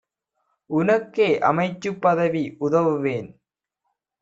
உனக்கே அமைச்சுப் பதவி உதவுவேன்!